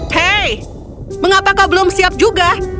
hei mengapa kau belum siap juga